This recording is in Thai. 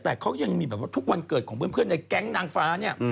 แต่เขายังมีแบบว่าทุกวันเกิดของเพื่อนในแก๊งนางฟ้าเนี่ย